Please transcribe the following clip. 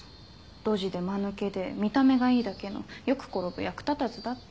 ドジで間抜けで見た目がいいだけのよく転ぶ役立たずだって。